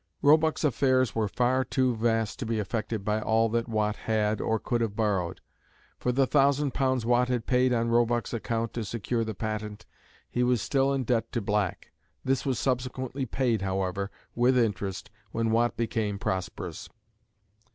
Roebuck's affairs were far too vast to be affected by all that Watt had or could have borrowed. For the thousand pounds Watt had paid on Roebuck's account to secure the patent, he was still in debt to Black. This was subsequently paid, however, with interest, when Watt became prosperous.